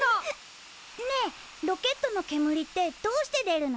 ねえロケットのけむりってどうして出るの？